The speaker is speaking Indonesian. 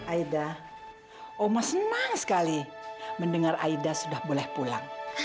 aida oma senang sekali mendengar aida sudah boleh pulang